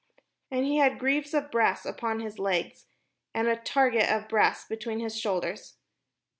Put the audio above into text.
And he had greaves of brass upon his legs, and a target of brass between his shoulders.